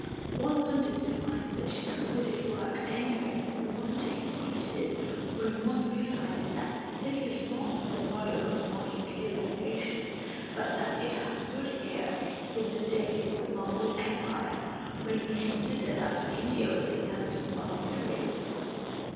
One wonders to find such exquisite work anywhere and the wonder increases when one realizes that this is not the product of modern skill and patience, but that it has stood here, from the days of the Mogul Empire, when we consider that India was a land of barbarians.